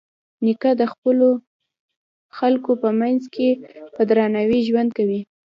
نیکه د خپلو خلکو په منځ کې په درناوي ژوند کوي.